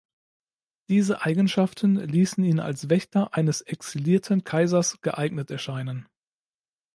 Diese Eigenschaften ließen ihn als Wächter eines exilierten Kaisers geeignet erscheinen.